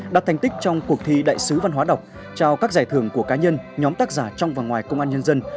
đạt thành tích trong cuộc thi đại sứ văn hóa đọc trao các giải thưởng của cá nhân nhóm tác giả trong và ngoài công an nhân dân